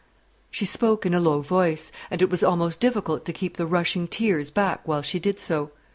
She spoke in a low voice, and it was almost difficult to keep the rushing tears back while she did so.